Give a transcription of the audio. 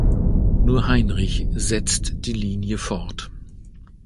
Nur Heinrich setzt die Linie fort.